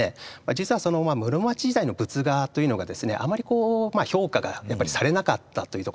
実は室町時代の仏画というのがですねあまり評価がされなかったというところがあるんですね。